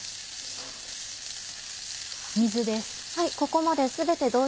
水です。